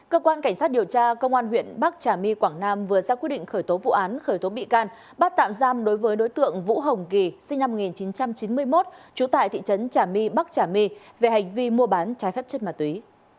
cơ quan cảnh sát điều tra công an huyện bắc trà my quảng nam vừa ra quyết định khởi tố vụ án khởi tố bị can bắt tạm giam đối với đối tượng vũ hồng kỳ sinh năm một nghìn chín trăm chín mươi một trú tại thị trấn trà my bắc trà my về hành vi mua bán trái phép chất ma túy